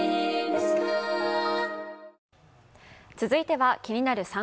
続いては「気になる！